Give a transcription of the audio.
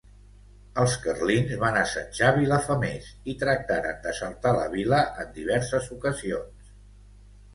Els carlins van assetjar Vilafamés i tractaren d'assaltar la vila en diverses ocasions.